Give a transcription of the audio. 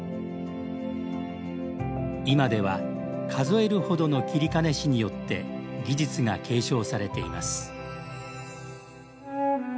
今では数えるほどの截金師によって技術が継承されています